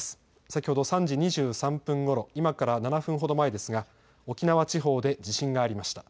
先ほど３時２３分ごろ、今から７分ほど前ですが沖縄地方で地震がありました。